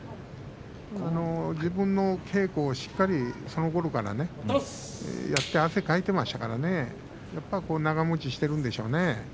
自分の稽古を、しっかりとそのころからやって汗をかいていましたから結果長もちしているんでしょうね。